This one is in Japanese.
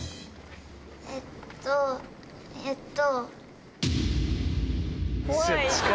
えっとえっと。